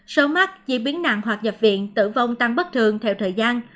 số mắc chi biến nặng hoặc nhập viện tử vong tăng bất thường theo thời gian